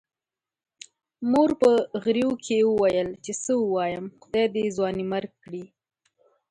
مور په غريو کې وويل چې څه ووايم، خدای دې ځوانيمرګ کړي.